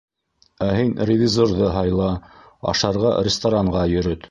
Ә һин ревизорҙы һыйла, ашарға ресторанға йөрөт.